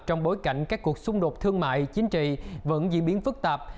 trong bối cảnh các cuộc xung đột thương mại chính trị vẫn diễn biến phức tạp